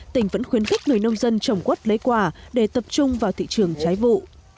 tỉnh vẫn khuyến khích người nông dân trồng quất lấy quả để tập trung vào thị trường trái vụ